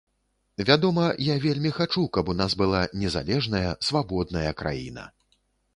Вядома, я вельмі хачу, каб у нас была незалежная, свабодная краіна.